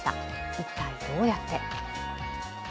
一体どうやって？